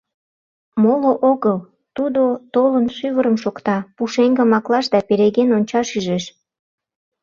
Моло огыл — тудо, толын, шӱвырым шокта, пушеҥгым аклаш да переген ончаш ӱжеш.